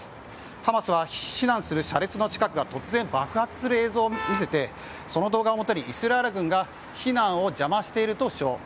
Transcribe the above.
ハマスは避難する車列の近くが突然、爆発する映像を見せてその動画をもとにイスラエル軍が避難を邪魔していると主張。